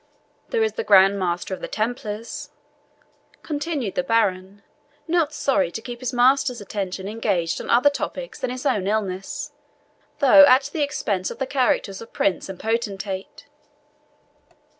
"There is the Grand Master of the Templars," continued the baron, not sorry to keep his master's attention engaged on other topics than his own illness, though at the expense of the characters of prince and potentate.